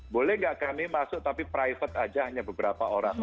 boleh nggak kami masuk tapi private aja hanya beberapa orang